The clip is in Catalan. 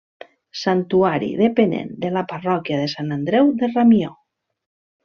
Santuari depenent de la parròquia de Sant Andreu de Ramió.